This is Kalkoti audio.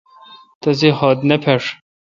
تسےخط نے پھݭ۔